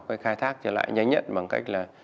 phải khai thác trở lại nhanh nhất bằng cách là